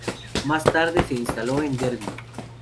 Más tarde se instaló en Derby.